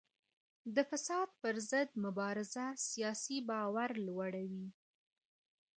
د فساد پر ضد مبارزه سیاسي باور لوړوي